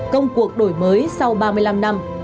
công cuộc đổi mới sau ba mươi năm năm